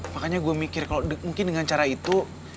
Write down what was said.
makanya gue mikir kalau mungkin dengan cara itu